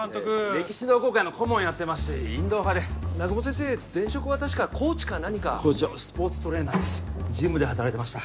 歴史同好会の顧問やってますしインドア派で南雲先生前職は確かコーチか何か校長スポーツトレーナーですジムで働いてました